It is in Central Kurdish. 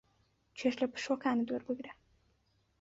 چێژ لە پشووەکانت وەربگرە.